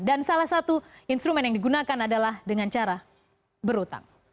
dan salah satu instrumen yang digunakan adalah dengan cara berutang